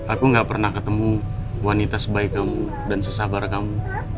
aku gak pernah ketemu wanita sebaik kamu dan sesabar kamu